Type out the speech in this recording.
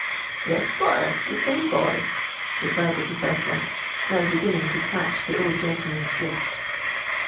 "Yes, squire, the same boy," replied the professor, now beginning to catch the old gentleman's drift.